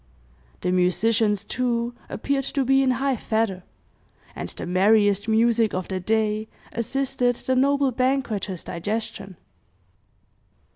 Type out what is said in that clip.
The musicians, too, appeared to be in high feather, and the merriest music of the day assisted the noble banqueters' digestion.